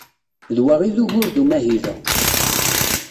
D wa i d ugur d umahil-a.